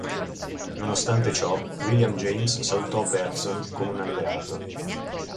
Nonostante ciò, William James salutò Bergson come un alleato.